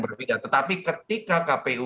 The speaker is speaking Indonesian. berbeda tetapi ketika kpu